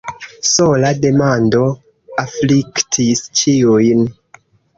Sola demando afliktis ĉiujn.